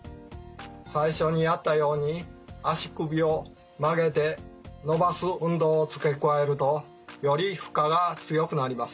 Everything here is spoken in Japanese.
最初にあったように足首を曲げて伸ばす運動を付け加えるとより負荷が強くなります。